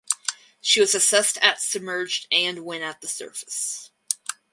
She was assessed at submerged and when at the surface.